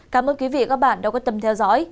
cảm ơn quý vị và các bạn đã quan tâm theo dõi